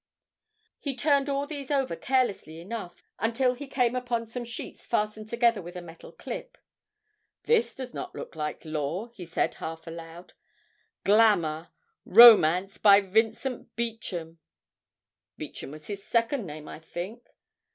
He turned all these over carelessly enough, until he came upon some sheets fastened together with a metal clip. 'This does not look like law,' he said half aloud. '"Glamour romance by Vincent Beauchamp." Beauchamp was his second name, I think.